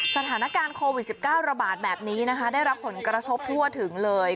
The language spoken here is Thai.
สถานการณ์โควิด๑๙ระบาดแบบนี้นะคะได้รับผลกระทบทั่วถึงเลย